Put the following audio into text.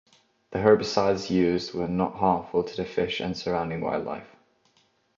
The herbicides used were not harmful to the fish and surrounding wildlife.